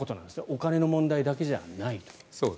お金の問題だけじゃないと。